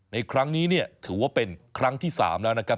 ในครั้งนี้เนี่ยถือว่าเป็นครั้งที่๓แล้วนะครับ